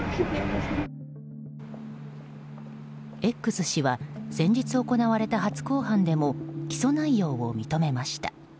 Ｘ氏は先日行われた初公判でも起訴内容を認めました。